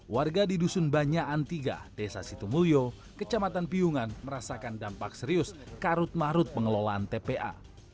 warga di dusun banyakan tiga desa situmulyo kecamatan piungan merasakan dampak serius karut mahrut pengelolaan tpa